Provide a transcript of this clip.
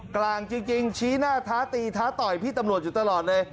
กลางจริงชี้หน้าท้าตีท้าต่อยพี่ตำรวจอยู่ตลอดเลย